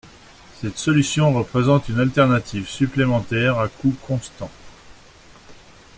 Cette solution représente une alternative supplémentaire, à coût constant.